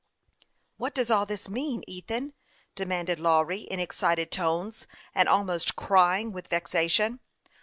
" What does all this mean, Ethan ?" demanded Lawry, in excited tones, and almost crying with vexation.